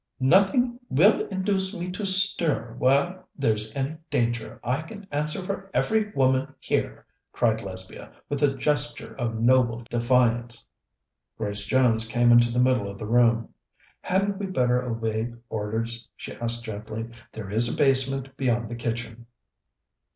"Nothing will induce me to stir while there's any danger. I can answer for every woman here!" cried Lesbia, with a gesture of noble defiance. Grace Jones came into the middle of the room. "Hadn't we better obey orders?" she asked gently. "There is a basement beyond the kitchen."